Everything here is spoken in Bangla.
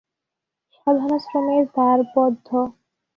সাধনাশ্রমের দ্বার বদ্ধ।